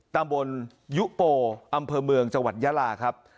ตำบลยุโปอำเภอเมืองจังหวัดยาลาครับ